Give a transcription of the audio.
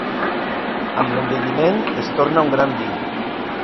Amb l'envelliment es torna un gran vi.